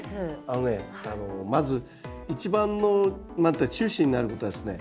あのねまず一番の中心になることはですね